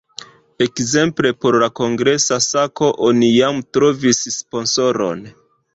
Ekzemple por la kongresa sako oni jam trovis sponsoron.